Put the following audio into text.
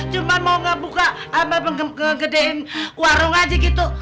cuma mau ngebuka sama ngegedein warung aja gitu